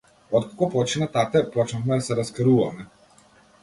Откако почина тате, почнавме да се раскаруваме.